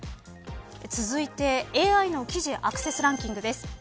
続いて、ＡＩの記事アクセスランキングです。